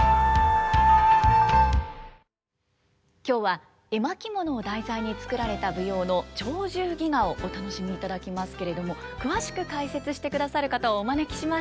今日は絵巻物を題材に作られた舞踊の「鳥獣戯画」をお楽しみいただきますけれども詳しく解説してくださる方をお招きしました。